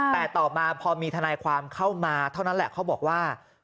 แต่ต่อมาพอมีทนายความเข้ามาเท่านั้นแหละเขาบอกว่า